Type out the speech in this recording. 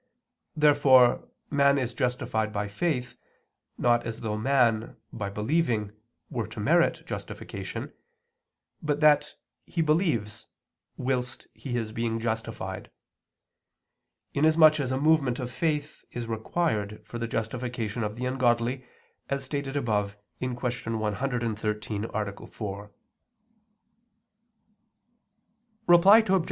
Therefore man is justified by faith, not as though man, by believing, were to merit justification, but that, he believes, whilst he is being justified; inasmuch as a movement of faith is required for the justification of the ungodly, as stated above (Q. 113, A. 4). Reply Obj.